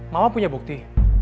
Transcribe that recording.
mama punya bukti